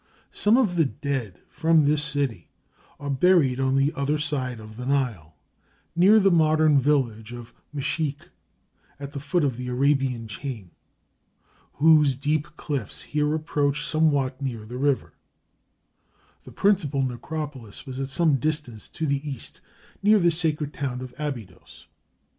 Some of the dead from this city are buried on the other side of the Nile, near the modern village of Mesheikh, at the foot of the Arabian chain, whose deep cliffs here approach somewhat near the river: the principal necropolis was at some distance to the east, near the sacred town of Abydos.